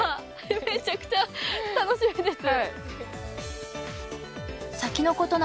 めちゃくちゃ楽しみです。